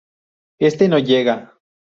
Éste no llega.